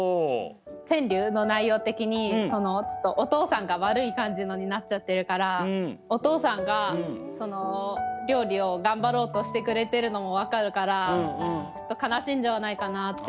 川柳の内容的にちょっとお父さんが悪い感じのになっちゃってるからお父さんが、料理を頑張ろうとしてくれてるのも分かるから悲しんじゃわないかなって。